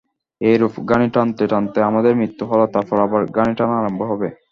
এইরূপ ঘানি টানতে টানতে আমাদের মৃত্যু হল, তারপর আবার ঘানি টানা আরম্ভ হবে।